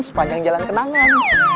sepanjang jalan kenangan